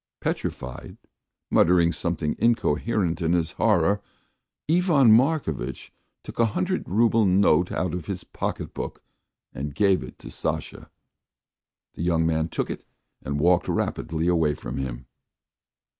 Petrified, muttering something incoherent in his horror, Ivan Markovitch took a hundred rouble note out of his pocket book and gave it to Sasha. The young man took it and walked rapidly away from him.